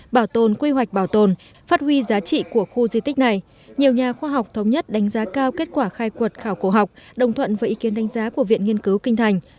bảo tồn quy hoạch bảo tồn phát huy giá trị của khu di tích này nhiều nhà khoa học thống nhất đánh giá cao kết quả khai quật khảo cổ học đồng thuận với ý kiến đánh giá của viện nghiên cứu kinh thành